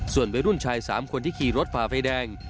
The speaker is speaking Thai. ส่วนวัยรุ่นชาย๓คนที่ขี่รถฝ่าไฟแดง